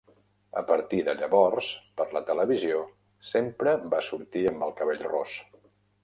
A partir de llavors, per la televisió sempre va sortir amb el cabell ros.